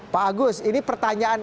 pak agus ini pertanyaan